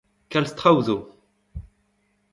Kalz traoù zo.